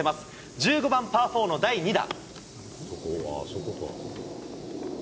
１５番パー４の第２打。